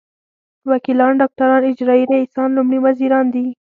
وکیلان ډاکټران اجرايي رییسان لومړي وزیران دي.